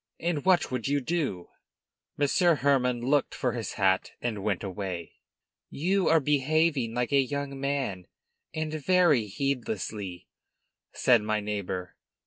And what would you do?" Monsieur Hermann looked for his hat and went away. "You are behaving like a young man, and very heedlessly," said my neighbor.